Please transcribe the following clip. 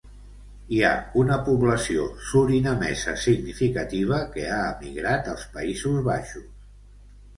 Hi ha una població surinamesa significativa que ha emigrat als Països Baixos.